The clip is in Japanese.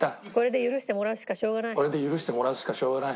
これで許してもらうしかしょうがない。